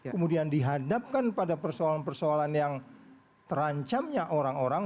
kemudian dihadapkan pada persoalan persoalan yang terancamnya orang orang